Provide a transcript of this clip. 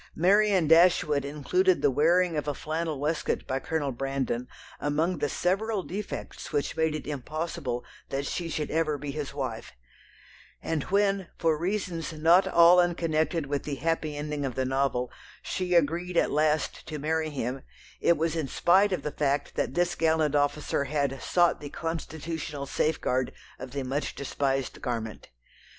Marianne Dashwood included the wearing of a flannel waistcoat by Colonel Brandon among the several defects which made it impossible that she should ever be his wife, and when, for reasons not all unconnected with the "happy ending" of the novel, she agreed at last to marry him, it was in spite of the fact that this gallant officer had "sought the constitutional safeguard" of the much despised garment.